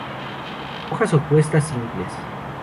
Hojas opuestas, simples.